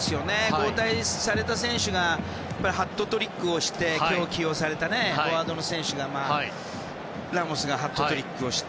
交代された選手がハットトリックをして今日、起用されたフォワードのラモスがハットトリックをして。